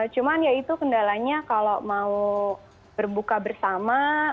cuman ya itu kendalanya kalau mau berbuka bersama